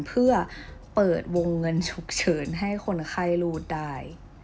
เพื่อเปิดวงเงินฉุกเฉินให้คนไข้รูดได้